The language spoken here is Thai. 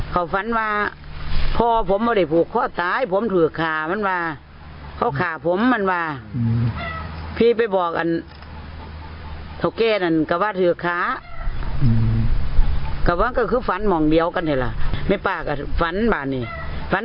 มันจะช้อยแหน่วนะป่ะยังมองกุ้มิวว่าช้อยแหน่วอะไรล่ะ